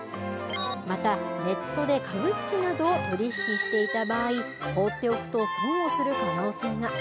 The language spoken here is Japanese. またネットで株式などを取り引きしていた場合、放っておくと損をする可能性が。